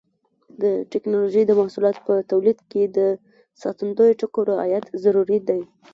د ټېکنالوجۍ د محصولاتو په تولید کې د ساتندویه ټکو رعایت ضروري دی.